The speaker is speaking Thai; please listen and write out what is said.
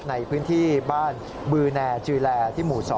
ในพื้นที่บ้านบือแนจือแลที่หมู่๒